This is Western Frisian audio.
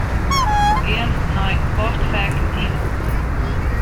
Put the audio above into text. Gean nei Postfek Yn.